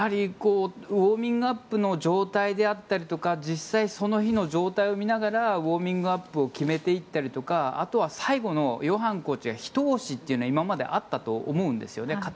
ウォーミングアップの状態であったりとか実際にその日の状態を見ながらウォーミングアップを決めていったりとかあとは最後のヨハンコーチがひと押しっていうのが今まであったと思うんですよね。